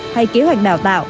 hay kế hoạch đào tạo